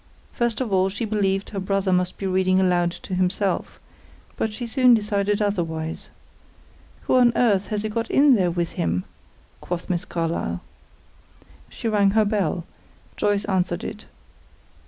First of all, she believed her brother must be reading aloud to himself; but she soon decided otherwise. "Who on earth has he got in there with him?" quoth Miss Carlyle. She rang her bell; Joyce answered it.